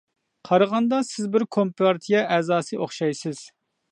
قارىغاندا سىز بىر كومپارتىيە ئەزاسى ئوخشايسىز.